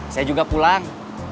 saya juga pulang